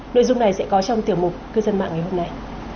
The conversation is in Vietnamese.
nội dung này sẽ có trong tiểu mục cư dân mạng ngày hôm nay